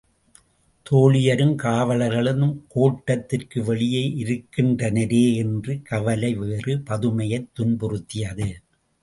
தோழியரும் காவலர்களும் கோட்டத்திற்கு வெளியே இருக்கின்றனரே என்ற கவலை வேறு பதுமையைத் துன்புறுத்தியது.